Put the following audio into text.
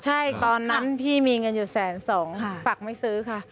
ใช่ตอนนั้นพี่มีเงินอยู่แสนสองฝักไม่ซื้อค่ะ